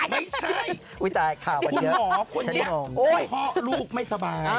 ไม่ใช่คุณหมอคุณเนี่ยพ่อลูกไม่สบาย